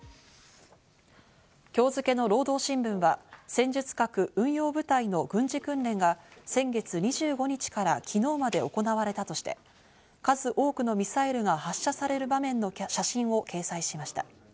今日付けの労働新聞は戦術核運用部隊の軍事訓練が先月２５日から昨日まで行われたとして、数多くのミサイルが発射される場面の写真を掲載しました。